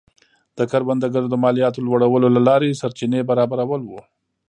د کروندګرو د مالیاتو لوړولو له لارې سرچینې برابرول و.